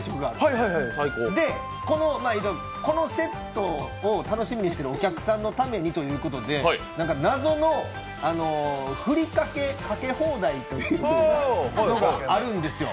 で、このセットを楽しみにしてるお客さんのためにということで謎のふりかけかけ放題というのがあるんですよ。